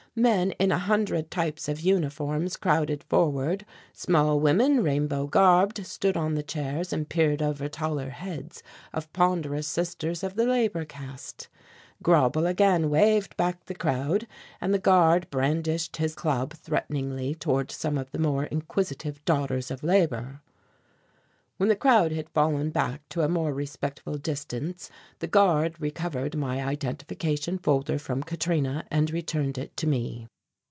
Men in a hundred types of uniform crowded forward; small women, rainbow garbed, stood on the chairs and peered over taller heads of ponderous sisters of the labour caste. Grauble again waved back the crowd and the guard brandished his club threateningly toward some of the more inquisitive daughters of labour. When the crowd had fallen back to a more respectful distance, the guard recovered my identification folder from Katrina and returned it to me.